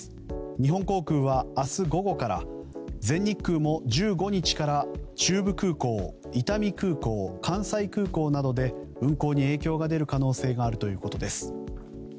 日本航空は明日午後から全日空も１５日から中部空港、伊丹空港関西空港などで運航に影響が出る可能性があるということです。